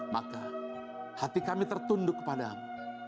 maka hati kami tertunduk kepadamu